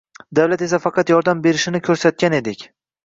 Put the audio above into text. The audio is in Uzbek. davlat esa faqat yordam berishini ko‘rsatgan edik.